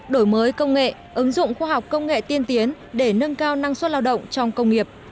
đổi mới công nghệ ứng dụng khoa học công nghệ tiên tiến để nâng cao năng suất lao động trong công nghiệp